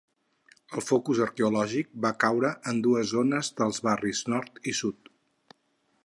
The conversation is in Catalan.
El focus arqueològic va caure en dues zones dels barris nord i sud.